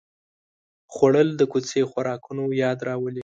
خوړل د کوڅې خوراکونو یاد راولي